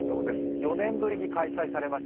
４年ぶりに開催されました